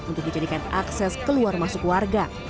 untuk dijadikan akses keluar masuk warga